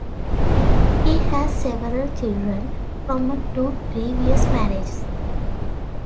He has several children from a two previous marriages.